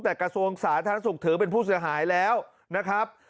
แต่กระทรวงสาธารณสุขถือเป็นผู้เสียหายแล้วนะครับ